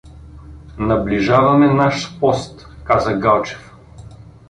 — Наближаваме наш пост — каза Галчев.